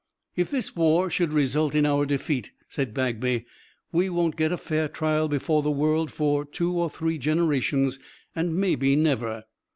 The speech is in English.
"If this war should result in our defeat," said Bagby, "we won't get a fair trial before the world for two or three generations, and maybe never."